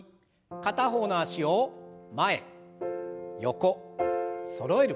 片方の脚を前横そろえる。